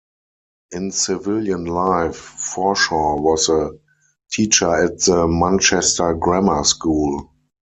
In civilian life Forshaw was a teacher at The Manchester Grammar School.